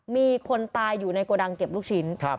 มีคนตายอยู่ในโกดังเก็บลูกชิ้น